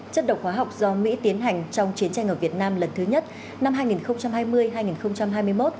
chất độc hóa học do mỹ tiến hành trong chiến tranh ở việt nam lần thứ nhất năm hai nghìn hai mươi hai nghìn hai mươi một